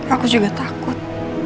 aku juga takut